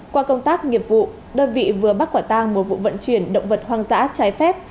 qua công tác nghiệp vụ đơn vị vừa bắt quả tang một vụ vận chuyển động vật hoang dã trái phép